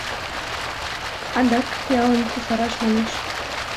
Адак, ялым кусараш, манеш.